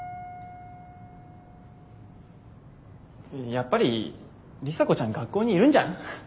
やっぱり里紗子ちゃん学校にいるんじゃん？